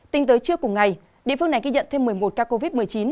tính tới trưa cùng ngày địa phương này ghi nhận thêm một mươi một ca covid một mươi chín